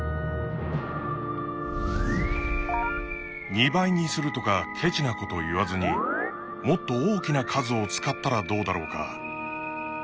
２倍にするとかケチなこと言わずにもっと大きな数を使ったらどうだろうか。